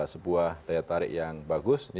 sebuah daya tarik yang bagus